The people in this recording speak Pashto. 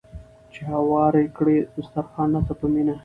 چې هوار کړي دسترخوان راته په مینه